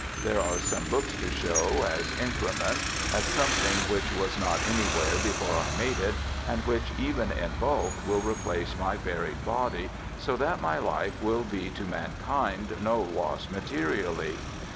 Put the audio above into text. There are some books to show as increment, as something which was not anywhere before I made it, and which even in bulk will replace my buried body, so that my life will be to mankind no loss materially.